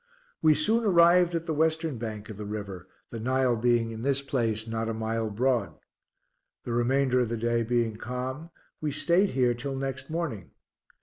We soon arrived at the western bank of the river, the Nile being in this place not a mile broad. The remainder of the day being calm, we staid here till next morning.